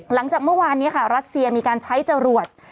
หลังจากเมื่อวานนี้ค่ะรัสเซียมีการใช้จรวด